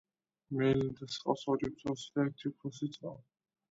მელინდას ჰყავს ორი უმცროსი და ერთი უფროსი ძმა.